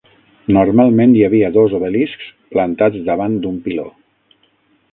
Normalment hi havia dos obeliscs plantats davant d'un piló.